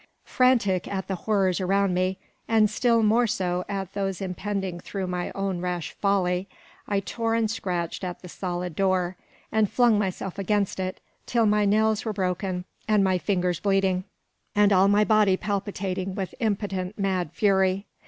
Frantic at the horrors around me, and still more so at those impending through my own rash folly, I tore and scratched at the solid door, and flung myself against it, till my nails were broken, and my fingers bleeding, and all my body palpitating with impotent mad fury.